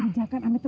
gak bakal jadi satu